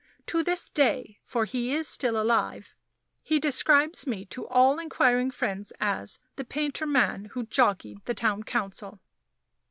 To this day (for he is still alive), he describes me to all inquiring friends as "The Painter Man who jockeyed the Town Council."